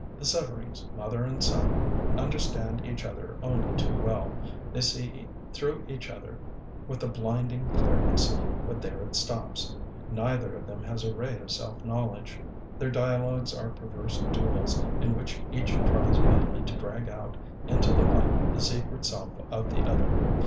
The Severings, mother and son, understand each other only too well; they see through each other with a blinding clearness, but there it stops. Neither of them has a ray of self knowledge. Their dia logues are perverse duels in which each tries vainly to drag out into the light the secret self of the other.